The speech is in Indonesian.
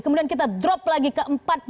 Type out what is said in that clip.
kemudian kita drop lagi ke empat puluh lima